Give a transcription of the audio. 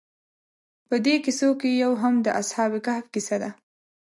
په دې کیسو کې یو هم د اصحاب کهف کیسه ده.